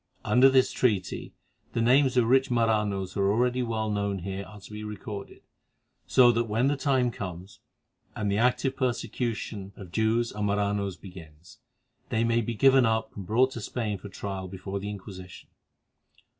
Under this treaty the names of rich Maranos that are already well known here are to be recorded, so that when the time comes, and the active persecution of Jews and Maranos begins, they may be given up and brought to Spain for trial before the Inquisition.